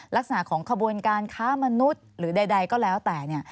ลักษณะของขบวนการค้ามนุษย์หรือใดก็แล้วแต่